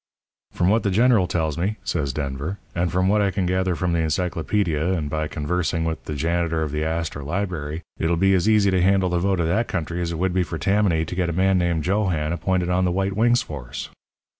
"'From what the General tells me,' says Denver, 'and from what I can gather from the encyclopædia and by conversing with the janitor of the Astor Library, it'll be as easy to handle the vote of that country as it would be for Tammany to get a man named Geoghan appointed on the White Wings force.'